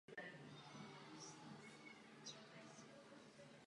Momentálně o tomto problému uvažujeme a diskutujeme.